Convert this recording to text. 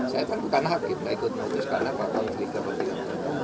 saya bukan hakim enggak ikut mengutuskan apa konflik kepentingan